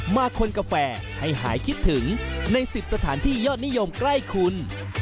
มาคนกาแฟให้หายคิดถึงใน๑๐สถานที่ยอดนิยมใกล้คุณ